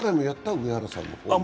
上原さんも。